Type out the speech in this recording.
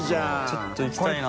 ちょっと行きたいな。